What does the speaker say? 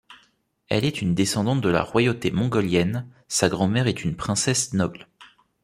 Elle est une descendante de la royauté mongolienne, sa grand-mère est une princesse noble.